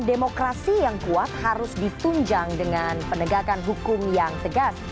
demokrasi yang kuat harus ditunjang dengan penegakan hukum yang tegas